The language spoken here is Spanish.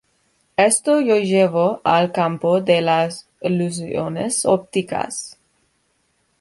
Esto lo llevó al campo de la ilusiones ópticas.